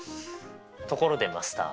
ところでマスター。